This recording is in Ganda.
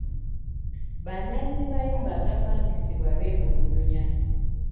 Bannannyini mayumba g'apangisibwa beemulugunya.